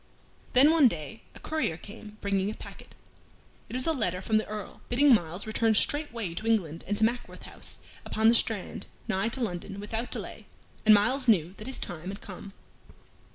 Then one day a courier came, bringing a packet. It was a letter from the Earl, bidding Myles return straightway to England and to Mackworth House upon the Strand, nigh to London, without delay, and Myles knew that his time had come.